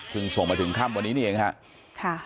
ถึงส่งมาถึงค่ำวันนี้เองค่ะ